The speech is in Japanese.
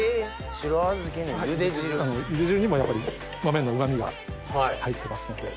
ゆで汁にもやっぱり豆のうま味が入ってますので。